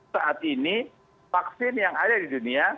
saat ini vaksin yang ada di dunia